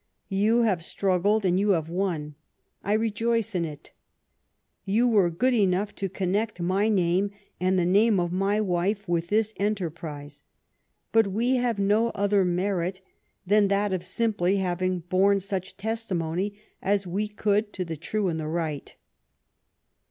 You have struggled and you have won. I rejoice in it. You were good enough to connect my name and the name of my wife with this enter prise, but we have no other merit than that of simply having borne such testimony as we could to the true and the right.